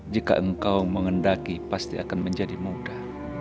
jika engkau mengendaki pasti akan menjadi mudah